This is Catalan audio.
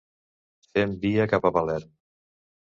Fem via cap a Palerm.